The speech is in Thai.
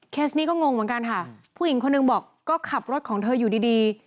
นี้ก็งงเหมือนกันค่ะผู้หญิงคนหนึ่งบอกก็ขับรถของเธออยู่ดีดี